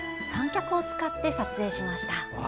三脚を使って撮影しました。